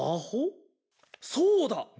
そうだ！